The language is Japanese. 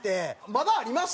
まだあります？